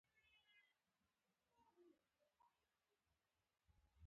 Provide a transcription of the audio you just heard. • مینه د زړۀ ښکلی شور دی.